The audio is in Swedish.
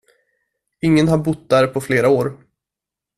Ingen har bott där på flera år.